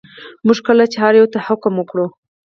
موږ کله چې هر یوه ته حکم وکړو.